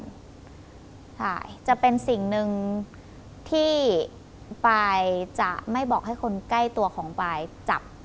ใช่จะเป็นสิ่งหนึ่งที่ปายจะไม่บอกให้คนใกล้ตัวของปลายจับ